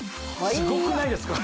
すごくないですか？